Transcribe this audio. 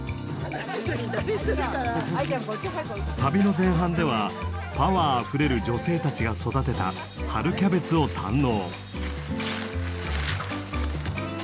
旅の前半ではパワーあふれる女性たちが育てた春キャベツを堪能。